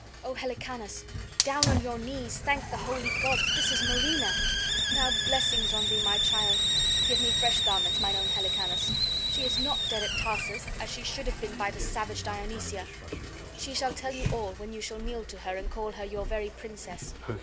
O Helicanus, down on your knees, thank the holy gods! This is Marina. Now blessings on thee, my child! Give me fresh garments, mine own Helicanus! She is not dead at Tarsus as she should have been by the savage Dionysia. She shall tell you all, when you shall kneel to her and call her your very Princess.